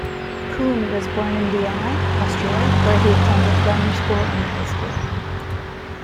Kuhn was born in Vienna, Austria, where he attended grammar school and high school.